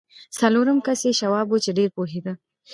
څلورم کس یې شواب و چې ډېر پوهېده